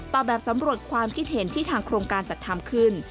แบบสำรวจความคิดเห็นที่ทางโครงการจัดทำขึ้น